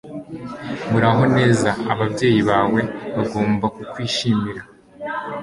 Muraho neza! Ababyeyi bawe bagomba kukwishimira.